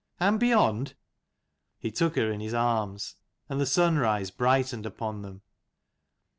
"And beyond?" He took her in his arms, and the sunrise brightened upon them.